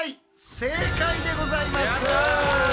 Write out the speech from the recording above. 正解でございます！